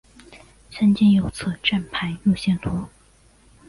参见右侧站牌路线图。